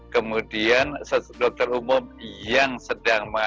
kemudian dokter umum yang sedang mengalami